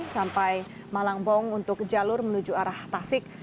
sampai malangbong untuk jalur menuju arah tasik